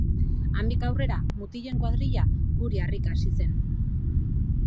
Handik aurrera, mutilen kuadrilla guri harrika hasi zen.